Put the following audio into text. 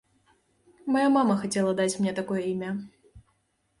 Мая мама хацела даць мне такое імя.